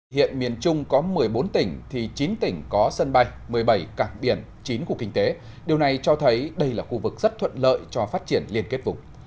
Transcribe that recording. hiện miền trung có một mươi bốn tỉnh thì chín tỉnh có sân bay một mươi bảy cảng biển chín cục kinh tế điều này cho thấy đây là khu vực rất thuận lợi cho phát triển liên kết vùng